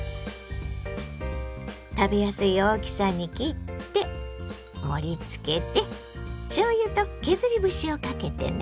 食べやすい大きさに切って盛りつけてしょうゆと削り節をかけてね。